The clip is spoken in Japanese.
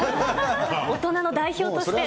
大人の代表として。